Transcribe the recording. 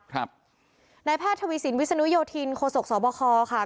ครับนายภาคทวีสินวิสนุโยธินโคศกสวบคค่ะ